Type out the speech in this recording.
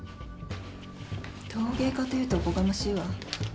陶芸家というとおこがましいわ。